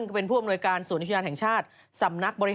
ของนานอุชชานแห่งชาติเขาใหญ่